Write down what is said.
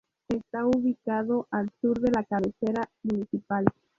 Está ubicado al sur de la cabecera municipal.